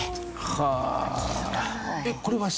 はあ？